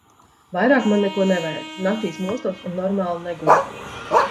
Vairāk man neko nevajag. Naktīs mostos un normāli neguļu.